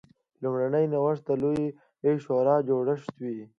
لومړنی نوښت د لویې شورا جوړول و